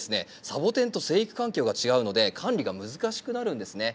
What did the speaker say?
サボテンと生育環境が違うので管理が難しくなるんですね。